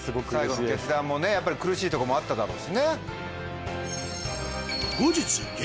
最後の決断もやっぱり苦しいところもあっただろうしね。